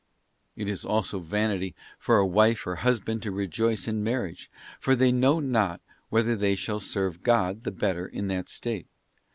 f It is also vanity for a wife or a husband to rejoice in marriage, for they know not whether they shall serve God the better in that state.